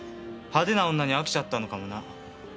派手な女に飽きちゃったのかもな。